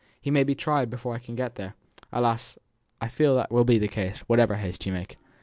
He may be tried before I can get there!" "Alas! I fear that will be the case, whatever haste you make.